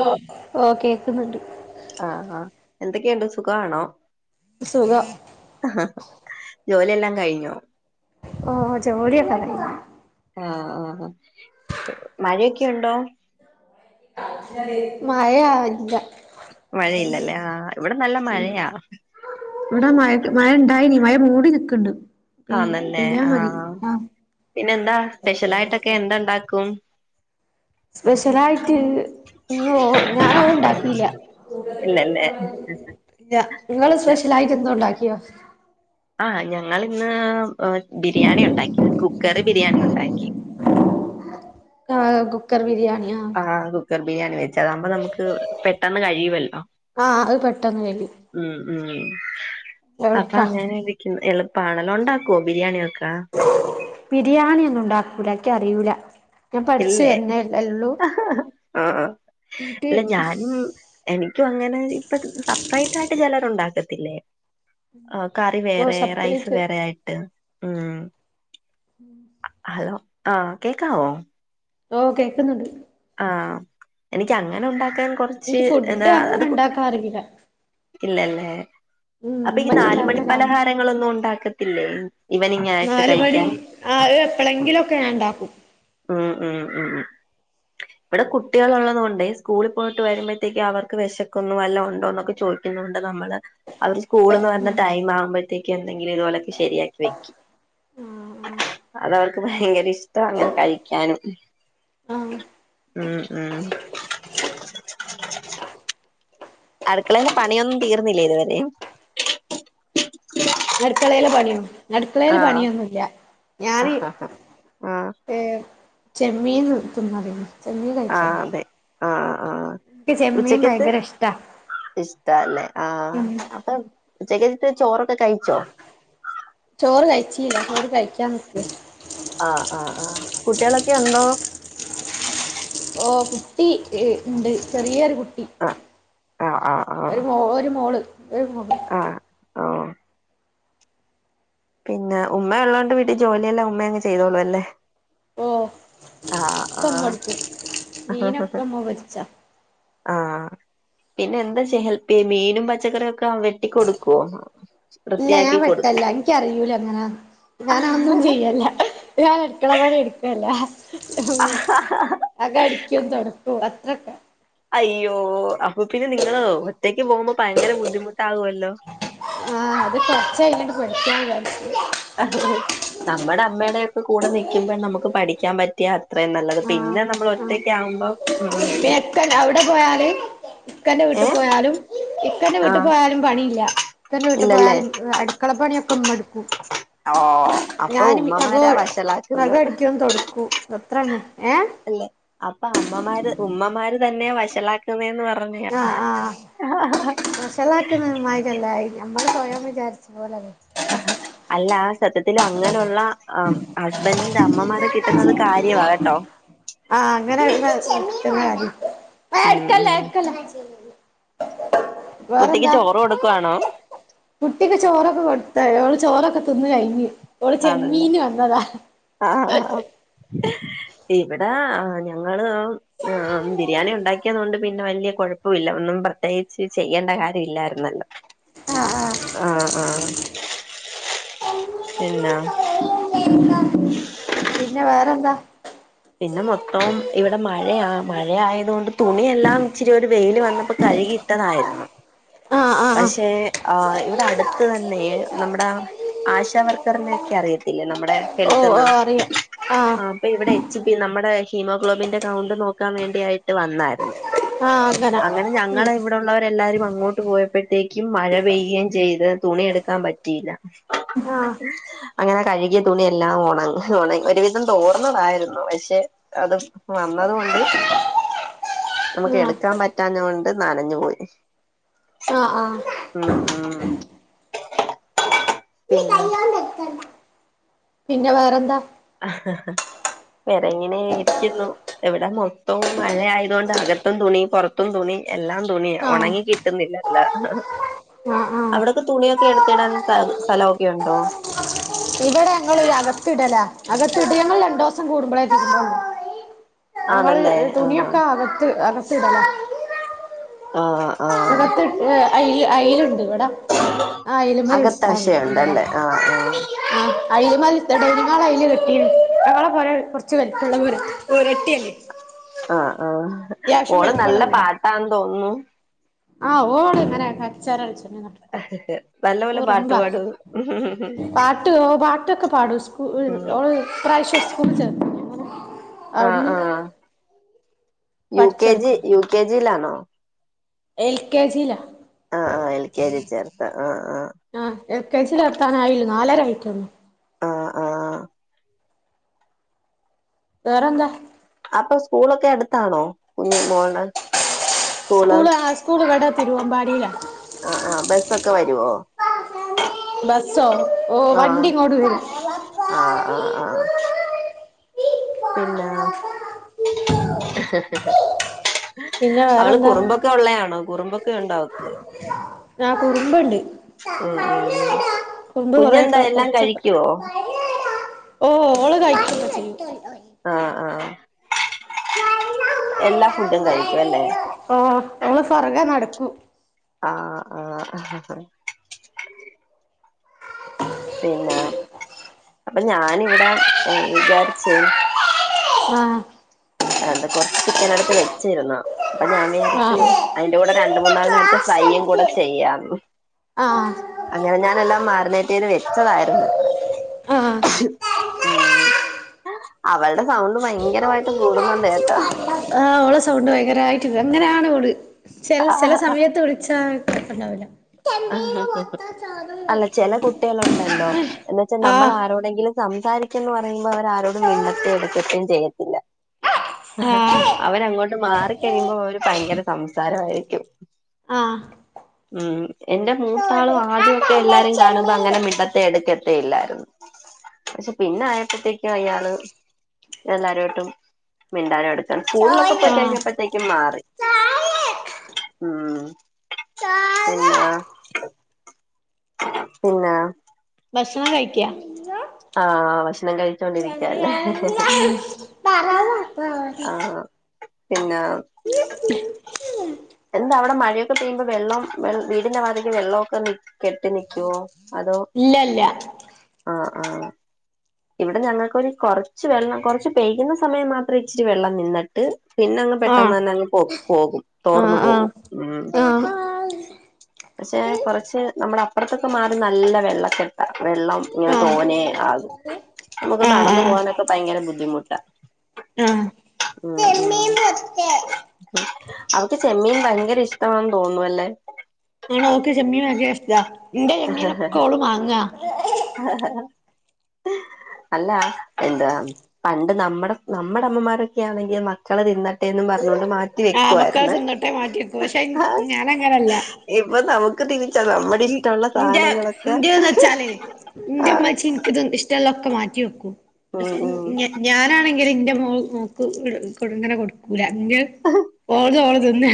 ഓ ഓ കേക്കുന്നുണ്ട് ആ ആ എന്തൊക്കെയുണ്ട്‌ സുഖണോ സുഖം ജോലിയെല്ലാം കയിഞ്ഞോ ഓഹ് ഓ ജോലിയൊക്കെ കയിഞ്ഞ് ആ ആ ആ മഴയൊക്കെയുണ്ടോ മഴയാ ഇല്ല മഴയില്ലല്ലേ ആ ഇവിടെ നല്ല മഴയാ അയിന് മഴ മൂടി നിക്ക്ണ്ട് പെയ് ആന്നല്ലേ പെയ്യ മതി ആഹ് ആ ന്താ ണ്ടാക്കും സ്പെഷ്യലായിട്ട് ഇന്ന് ഓ ഞാനോഓ ഉണ്ടാക്കില്ല ഇല്ലല്ലേ ഇല്ല ഇങ്ങള് സ്പെഷ്യലായിട്ട് എന്തേണ്ടാക്കിയോ ആ ഞങ്ങിന്ന് ബിരിയാണി ഉണ്ടാക്കി കുക്കർ ബിരിയാണി ഉണ്ടാക്കി ആ കുക്കർ ബിരിയാണിയ ആ കു കുക്കർ ബിരിയാണി വെച്ച അതാവുമ്പോ നമുക്ക് പെട്ടെന്ന് കഴിയുവല്ലോ ആഹ് അത് പെട്ടെന്ന് കഴിയും മ് മ് അപ്പൊ എളുപ്പാ അങ്ങനെ എളുപ്പാണല്ലോ ഒണ്ടാക്കുവോ ബിരിയാണിയ ഒക്കെ ബിരിയാണി ഒന്നും ഉണ്ടാക്കൂല ഇന്ക്ക് അറിയൂല ഞാൻ പഠിച്ചു വര്നെ ആ ആ എന്നിട്ട് ഇല്ല ഞാനും എനിക്കും അങ്ങനെ ഇപ്പ സ ലൈറ്റായിട്ട് ചെലരുണ്ടാക്കത്തില്ലേ ആ കറി ഓ വേറെ റൈസ് സെപ്പറേറ്റ് വേറെ ആയിട്ട് മ് ഹലോ ആ കേക്കാവോ ഓ കേക്കുന്നുണ്ട് ആ എനിക്ക് അങ്ങനെ ഉണ്ടാക്കാൻ കൊറ ഇനക്ക് ഫുഡ് അങ്ങനെ ഉണ്ടാക്കാറീല ഇല്ലല്ലേ അപ്പൊ ഈ ഉമ്മച്ചി നാല്മണി ഉണ്ടാക്കലാ പലഹാരങ്ങളൊന്നും ഉണ്ടാക്കത്തില്ലേ ഇവനിങ്ങായിട്ട് നാല് മണി കഴിക്കാൻ ആ എപ്പളെങ്കിലൊക്കെ ഞാൻ ഉണ്ടാക്കും മ്മ് മ്മ് മ്മ് ഇവിടെ കുട്ടികളുള്ളതുകൊണ്ടേ സ്കൂളിൽ പോയിട്ട് വരുമ്പോത്തേക്ക് അവർക്ക് വെശക്കുന്നു വല്ലോം ഉണ്ടോന്നൊക്കെ ചോ രുന്നുണ്ട് നമ്മള് അവർ സ്കൂളിൾന്ന് വരുന്ന ടൈം ആകുമ്പോഴത്തേക്കെന്തെങ്കിലും ഇതുപോലൊക്കെ ശരിയാക്കി വെക്കും അതവർക്ക് ഭയങ്കര ഇഷ്ടവാ അങ്ങനെ കഴിക്കാനും ആഹ് മ് മ് അടുക്കളേലെ പണിയൊന്നും തീർന്നില്ലേ ഇതുവരെ അട്കളെല്ലെപണോ അടുക്കളയില് ആഹ് പണിയൊന്നുല്ല ഞാന് ആഹ് ഏഹ് ചെമ്മീൻ തിന്നതേനു ആഹ് അതെ, ആഹ് ആഹ്. എനിക്ക് ചെമ്മീൻ ഉച്ചക്കത്ത് ഭയങ്കര ഇഷ്ടാ ഇഷ്ടല്ലേ ആഹ ഉം അപ്പ ഉച്ചക്കത്തെ ചോറൊക്കെ കഴിച്ചോ ചോറ് കയിച്ചീല്ല, ചോറ് കഴിക്കാൻ നിക്കാ ആഹ് ആഹ് ആ കുട്ട്യാളൊക്കെ ഉണ്ടോ? ഓ കുട്ടി ഇ ഇണ്ട് ചെറിയൊരു കു ആഹ് ആഹ് ആഹ് ആഹ് ഒരു മോ ഒരു മോൾ ഒരു മോ ആഹ് പിന്നെ ഉമ്മ ഉള്ളതോണ്ട് വീട്ടിൽ ജോലിയല്ലാം ഉമ്മയ അങ്ങ് ചെയ്തോളൂ അല്ലേ ഓ ഒക്കെ ഉമ്മ ആഹ് പൊരിക്കും മീനൊക്കെ ഉമ്മ പൊരിച്ചാ ആഹ് പിന്നെ എന്താചെയ്യാ ഹെൽപ്പ്‌ചെയ്യ മീനും പച്ചക്കറിയഒക്കെ വെട്ടികൊ ടുകോ ഇല്ല ഞാൻ വിട്ടല്ല എനിക്കറിയുല്ല അങ്ങനന്ന് ഞാന ഒന്നും കൊടുക്കും ചെയ്യല്ല ഞാൻ അടുക്കള പണി ഇടക്കൽല്ല [unintelligible] അകടിക്കും, തുടക്കും അത്രൊക്കെ അയ്യോ അയ്യോ അപ്പൊ പിന്നെ നിങ്ങള് ഒറ്റക്ക് പോകുമ്പോ ഭയങ്കര ബുദ്ധിമുട്ടാകുല്ലോ ആഹ് അത് കുറച്ചയിനിണ്ട് പൊഠിക്കാൻ നമ്മുടെ അമ്മയുടെൊക്കെ കൂടെ നി ക്കുമ്പോൾ നമുക്ക് പഠിക്കാൻ പറ്റ ത്യാ അത്രയും നല്ലത് ആഹ് പിന്നെ നമ്മൾ ഒറ്റക്ക ആവുമ്പോ ഉം ഉം തെനെ അവിടെ പോയാല് ഇക്കന്റെ ഏ വീട്ടിൽ പോയാലും ഇക്കന്റെ വീട്ടു ആഹ് പോയാലും പണിയില്ല ഇക്കാന്റെ വീട്ടു ഇല്ലല്ലേ പോയാലും അടുക്കള പണിയൊക്കെ ഉമ്മ ടുക്കും ഓ അപ്പൊ ഞാന് മി അകോ ഉമ്മമാരാ വഷളാക്കുന്നത് അകടിക്കും തുടക്കും അത്രതന്നെ ഏഹ് അല്ലെ അപ്പൊ അമ്മമാര്, ഉമ്മമാര് തന്നെ വഷളാക്ക [unintelligible] പറഞ്ഞ് ആഹ്, ആഹ്, ആഹ് വഷളാക്ക്ന്നമാര്യല്ലായ്ര് നമ്മള് സ്വയം വിചാരിച്ച പോലല്ലെ അല്ല ആ സത്യത്തില് അങ്ങനെ ഉള്ള ആ ഹസ്ബൻറ്റിന്റെ അമ്മമാരെ കിട്ടുന്നത് കാര്യമാകെട്ടോ ആഹ അങ്ങനെ [unintelligible] ഏഹ് ഉം എടുക്കല്ലേ ഉം എടുക്കല്ലേ കുട്ടിക്ക് ചോറ് കൊടുക്കുവാണോ കുട്ടിക്ക് ചോറൊക്കെ കൊടുത്ത ഓള് ചോറൊക്കെ തിന്ന് കഴിഞ്ഞ് ഓള് ആണല്ലേ ചെമ്മീന് വന്നതാ ആഹ് ആഹ് ഇവിടെ ആ ഞങ്ങള് ആഹ് ബിരിയാണി ഉണ്ടാക്കിയത് കൊണ്ട് പിന്നെ വലിയ കുഴപ്പല്ല പിന്നെ പ്രത്യേകിച്ച് ചെയ്യേണ്ട കാര്യമില്ല യിരുന്നു. [inaudible] ആഹ് ആഹ് പിന്നാ [unintelligible] [inaudible] പിന്നെ വേറെന്താ? പിന്നെ മൊത്തം ഇവിടെ മഴയാ മഴയായത് കൊണ്ട് തുണിയെല്ലാം ഇച്ചിരി ഒരു വെയിയില് വന്നപ്പോ കഴുകി ട്ടതായിരുന്നു ആഹ് ആഹ് ആഹ് പക്ഷേ ആഹ് ഇവിടെ അടുത്ത് തന്നെ നമ്മുടെ ആശാവർക്കറിനെ ഒക്കെ അറിയത്തില്ലേ. നമ്മുടെ ഓ ഓ ഹെൽത്ത്ന്നാ അറിയാം ആഹ് അപ്പൊ ഇവടെ. സുബി നമ്മുടെ ഹീമോഗ്ലോബിന്റെ കൗണ്ട് നോക്കാൻ വേണ്ടിയായിട്ട് വന്നായിരുന്നു അങ്ങനെ ഉം ഞങ്ങളെ ഇവ് അവടെള്ളവരെല്ലാരും അങ്ങോട്ട് പോയപ്പോഴത്തേക്കും മഴപെയ്യെ ചെയ്ത് തുണിയെടുക്കാൻ പറ്റിയില്ല ആഹ് അങ്ങനെ കഴുകിയ തുണി എല്ലാം ഒണ ഒണ ഒരുവിധം തോർന്നതായിന്നു പക്ഷെ അത് വന്നതുകൊണ്ട് നമ്മക്ക് ആഹ് എടുക്കാൻ പറ്റാന്ന കൊണ്ട് നനഞ്ഞു പോയി ആഹ് ആഹ് ഉം ഉം [inaudible] പിന്നെ. പിന്നെ വേറെന്താ? വേറെ ഇങ്ങനെരിക്കുന്നു. ഇവിടെ മൊത്തവും മഴ ആയതോണ്ട് അകത്തും തുണി പുറത്തും തുണി എല്ലാം. തുണി ആഹ് ഉണങ്ങി കിട്ടുന്നില്ലല്ല. [unintelligible] അവിടൊക്കെ തുണിയൊക്കെ എടുത്തിടാൻ സ്ഥ സ്ഥലൊക്കെ ഇ ണ്ടോ ഞങ്ങളിതകത്തിടല അകത്തിട്ട് ഞങ്ങൾ രണ്ടുസം കൂടുമ്പോളേട്കൊള്ളൂ. ഞങ്ങള് ആണല്ലേ ആഹ് തുണിയൊക്കെ അകത്ത് അകത്തിടലാ. ആഹ് ആഹ് കത്ത് അയ് അയില്ണ്ട് ഇവിടാ. ആ അകത്തശയുണ്ടല്ലേ [unintelligible] ആഹ് ആഹ് ആഹ്. അയൽ മതി തടങ്ങാള് കെട്ടീന്ന് അങ്ങളെ പൊരാ കൊറച്ച് വലിപള്ളെരെ. ഓരട്ടിയല്ലേ ആഹ് ആഹ് യാശ്യം ഓള് വലുപ്പൊള്ളെ നല്ല വീടാ. പാട്ടാന്ന് തോന്നുന്നു ആഹ് ഓളെങ്ങനെച്ചറളിച് ങ്ങടയ്ക്ക. നല്ല പോലെ റുമ്പ പാട്ട് പാടും പാട്ട് പാട്ട ഇതൊക്കെ പാടും സ്കൂ ഉം ഓള് ഇപ്രാവശ്യം സ്കൂള ചേർ ങ്ങനെ ആഹ് അവിടുന്ന്. ആഹ് യു കെ ജി പഠിച്ചെടുത്തു യു കെ ജിയിലാണോ? എൽ കെ ജി ല. ആഹ് ആഹ് എൽ കെ ജി ചേർത്ത ആഹ് ആഹ്. ആഹ് എ കെ ജി ൽ നിർത്താനായില്ല നാലരയിട്ടൊള്ളൂ. ആഹ് ആഹ്. വേറെന്ത? അപ്പൊ സ്കൂളൊക്കെ എടുത്താണോ കുഞ്ഞു മോള. സ്കൂള് ആ സ്കൂള് വിടാ തിരുവ മ്പാടിയില. ആഹ് ആഹ് ബസ്സൊക്കെ വരുവോ ബസോ ഓ ആഹ് വണ്ടിങേട് വരും. ആഹ് ആഹ് ആഹ്. പിന്നെ ഹഹഹ പിന്നെ അവള് വേറെന്താ കുറുമ്പൊക്കെ ഉള്ളയാണോ കുറുമ്പൊക്കെ ഉണ്ട അവക്ക്. ഞാ കുറുമ്പുണ്ട് ഉം ഉം റുമ്പ് കുഞ്ഞെന്താ കൊറക്കെ എല്ലാം റച്ചൊക്ക. കഴിക്കുവോ ഓ ഓള് കഴിക്കൊക്കെ ചെയ്യും. ആഹ് ആഹ്. എല്ലാ ഫുഡും കഴിക്കും അല്ലേ. ഓഹ് ഓള് ഫൊറകെ നടക്കും. ആഹ് ആഹ്. പിന്നെ അപ്പൊ ഞാനിവിടെ വിചാരിച്ചേ. ആഹ്. എന്താ കൊറച്ച് ചിക്കനെടുത്ത് വെച്ചിരുന്നു. പ്പൊ ഞാൻ വിയാരിച്ചു ആ അയിന്റെ ഊടെ രണ്ട് മൂന്നാലണ്ണട്ത് ഫ്രൈയും കൂടെ ചെയ്യാന്ന്. അങ്ങനെ ഞാനെല്ലാം മാറിന്നേറ്റെയ്ത് വെച്ചതായിരുന്നു. ആ ഉം ആ അവളുടെ സൗണ്ട് ഭയങ്കരമായിട്ട്. കൂടുന്നുണ്ട് എട്ടോ. ഓള സൗണ്ട് ഭയങ്കരായിട്ട് കേ ങ്ങനാണ് വള് ചെലെ ചെലെ സമയത്ത് വിളിച്ചാ അപ്പണ്ടാവില്ല. ആഹഹഹ അല്ല ചെല കുട്ട്യേള്ണ്ടല്ലോ എന്നെച്ചാ ആ നമ്മളാരോടെങ്കിലും. സംസാരിക്കന്ന് പറയുമ്പോ ഇ വരരോടും മിണ്ടത്തിം എടുക്കത്തിം ചെയ്യില്ല. ആ അവനങ്ങോ മാറിക്കഴിയുമ്പോ അവര് ഭയങ്കര സംസാര ആയിരിക്കും ആ ഉം. എന്റെ മൂത്താള് ആദ്യക്കെ അതല്ല എല്ലാരിം കാണുമ്പോ അങ്ങനെ ചെമ്മീന് മിണ്ടത്തെ എടുക്കത്തെ ഇല്ലായിരുന്നു. ശെ പിന്നായപ്പോത്തേക്കും അയാള് എല്ലാരോട്ടും മിണ്ടാന എടുക്കൻ സ്കൂളിലൊക്കെ ചോറ് ആ പോയിക്കഴിഞ്ഞപ്പഴത്തേക്കും മാറി ചോറ് ഉം [unintelligible] ചോറ് നാ പിന്നെ ഭക്ഷണം കയ്ക്ക ആഹ് ഭക്ഷണം കഴിച്ചോണ്ടിരി ഞ തറാവപ്പ ആഹ് പിന്നെ എന്താവിടെ മഴയൊക്കെ പെയ്യുമ്പോ വെള്ളം വ വീടിന്റെ വാതിക്ക് വെള്ളമൊക്കെ നി കെട്ടി നിക്കുവോ അതോ ഇല്ല ല്ല ആഹ് ആഹ് ഇവിടെ ഞങ്ങൾക്കൊരു കുറച്ച് വെള്ളം കുറച്ച് പെയ്യുന്ന സമയം മാത്രമേ ഇച്ചിരി വെള്ളം നിന്നി ട്ട് പിന്നെ അങ്ങ് പെട്ടെന്ന് ആഹ് തന്നെ അങ്ങ് പോ പോകും തോർന്നു ആഹ് പോകും ഉം ആഹ് ആഹ് പക്ഷെ കൊറച്ച് നമ്മുടെ അപ്പുറത്തൊക്കെ മാറി നല്ല വെള്ളക്കെട്ട വെള്ളം ഇങ്ങനെ ആഹ് തോനേ ആകും നമുക്ക് ആഹ് നടന്നു ആഹ് പോകാനൊക്കെ ഭയങ്കര ബുദ്ധിമുട്ടാ ആഹ് ആഹ് ആഹ് അവക്ക് ചെമ്മീൻ ഭയങ്കര ഇഷ്ടാമാെന്ന് തോന്നുന്നു അല്ലേ ഓക്ക് ചെമ്മീൻഭയങ്കരഷ്ടാ എന്റെ ചെമ്മീനൊക്കെ ഓള് വാങ്ങാ അല്ല എന്താ പണ്ട് നമ്മടെ നമ്മടെ അമ്മമാരൊക്കെയാണെങ്കിൽ മക്കള് തിന്നട്ടെന്നും പറഞ്ഞോണ്ട് മാറ്റി മാറ്റി ആഹ് മക്കള് വെക്കുവാരുന്നെ തിന്നട്ടെ മാറ്റിവെക്കും പക്ഷെ ഞാനങ്ങനല്ല ഇപ്പൊ നമുക്ക് തിരിച്ച നമ്മുടെ ഇ ഇഷ്ടമുള്ള സാനങ്ങളൊക്കെ എന്റെ ഇമ്മ്ച്ചി എനക്ക് ഇത് ഇഷ്ടള്ള ഒക്കെ മാറ്റി വെക്കും ഉം പക്ഷെ ഉം ഇ ഞാനാണെങ്കിൽ ഇന്റെ മോ മോക്ക് കൊ ട്ങ്ങനെ കൊടുക്കൂല എങ്കിൽ ആഹ് ഓൾത് ഓള് തിന്ന്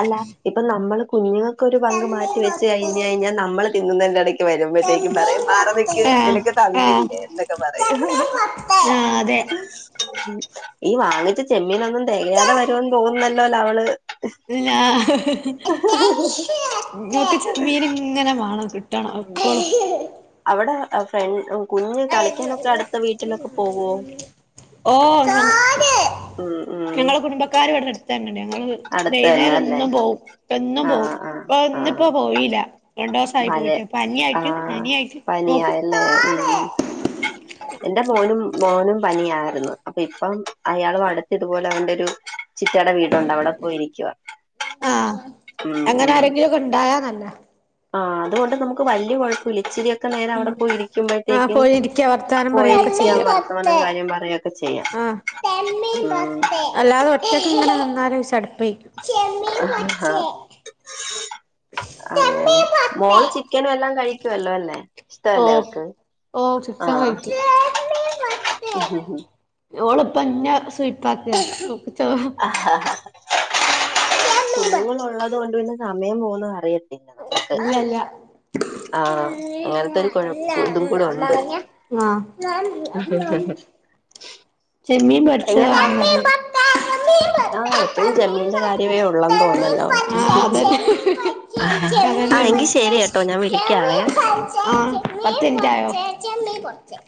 അല്ല ഇപ്പൊ നമ്മള് കുഞ്ഞുങ്ങ ക്ക് ഒരു പങ്ക് ആഹ് മാറ്റി വെച്ച് കഴിഞ്ഞയ്ഞ്ഞാ നമ്മള് തിന്നുന്നതിന്റെ ഇടയ്ക്ക് വരുമ്പ അപ്പത്തെക്കും പറയും മാറി നിക്ക് ആഹ് നിനക്ക് ആഹ് തന്നില്ലേ എന്നൊക്കെ പറയും അതെ ഈ വാങ്ങിച്ച ചെമ്മീനൊന്നും തികയാതെ വരുമെന്ന് തോന്നല്ലല്ലോ അവള് [unintelligible] ങ്ങക്ക് ചെമ്മീൻ ഇങ്ങനെ മാണം കിട്ടണം എപ്പളും അവിടെ ഫ്ര കുഞ്ഞ് കളിക്കാനൊക്കെ അടുത്ത വീട്ടിലൊക്കെ പോവോ ഓ ഉം ഉം ഞങ്ങളെ കുടുംബക്കാര് ഇവിടെ അടുത്തന്നണ്ട് അടുത്ത് തന്നെ വൈകുന്നേരം അല്ലേ എന്നും പോവും എന്നും പോവും ആഹ് ആഹ് അപ്പ ഇന്നിപ്പോ ആഹ് പോയില്ല രണ്ടുസായി മഴ പോയിട്ട് പനി ആയിട്ട് ആഹ് പനിയായിട്ട് മോക്കു പനിയായല്ലേ ഉം എന്റെ മോനും മോനും പനി [unintelligible] അപ്പൊ ഇപ്പം അയാള അടുത്ത് ഇതുപോലെ അവന്റെ ഒരു ചിറ്റേടെ വീടുണ്ട് അവിടെ പോയിരിക്കവാ ഉം ഉം [unintelligible] ഇണ്ടായ നല്ലാ ആഹ് അതുകൊണ്ട് നമുക്ക് വല്യ യ കൊയപ്പല്ല ഇച്ചിരി ഒക്കെ നേരം അവിടെ ഉം പോയി ആഹ് ഇരിക്കുമ്പോഴത്തേക്കും പോയിരിക്ക വർത്താനം പറയൊക്കെ ചെയ്യ പോയിരിക്കാം വർത്തമാനം കാര്യം പറയൊക്കെ ചെയ്യാം ആഹ് ആ അല്ലാതെ ഒറ്റയ്ക്ക് ഇങ്ങനെ നിന്നാല് ചടപ്പേ ചെമ്മീൻ പച്ച ആഹ് അങ്ങനെ ചെമ്മീൻ പൊത്ത് മോള് ചിക്കനും എല്ലാം കഴിക്കുവല്ലോ അല്ലേ ഇഷ്ടല്ലേ ഓഹ് അവക്ക് ഓഹ് ആഹ് [unintelligible] കഴിക്കും ഓളപ്പ എന്നെ സുയ്പ്പാക്ക ഓക്ക് ചോ ആഹ് ഹ ഹ ഇല്ല കുഞ്ഞുങ്ങളളൊള്ളത് കൊണ്ട് പിന്നെ സമയം പോകുന്നു അറിയ ഇല്ലല്ല ആഹ് അങ്ങനത്തെ ഒരു കുഴപ്പ ഇതും ആഹ് കൂടെ ഉണ്ട് അത് ഞാനും ചെമ്മീൻ പൊരിച്ചേ [unintelligible] ആ എപ്പോഴും ജമീന്റെ കാര്യമേ ഉള്ളെന്ന് തോന്നല്ലോ ഉം ഹ് ഹി ചെ ചേ ശരി കേട്ടോ ഞാൻ യമി വിളിക്കാവേ പാഞ്ചെ പത്തിൻറ്റ് ആയോ ചേച്ചിയാമ്മയും കുറച്